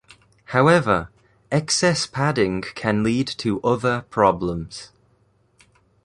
However, excess padding can lead to other problems.